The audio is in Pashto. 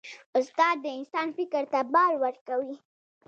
استاد د انسان فکر ته بال ورکوي.